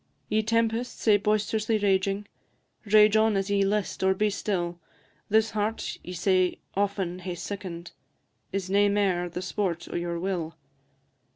Ye tempests, sae boist'rously raging, Rage on as ye list or be still; This heart ye sae often hae sicken'd, Is nae mair the sport o' your will.